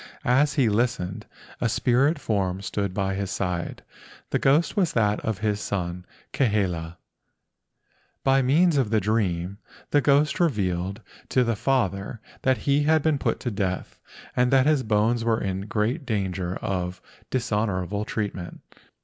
As he listened, a spirit form stood by his side. The ghost was that of his son Kahele. IO LEGENDS OF GHOSTS By means of the dream the ghost revealed to the father that he had been put to death and that his bones were in great danger of dishonorable treatment.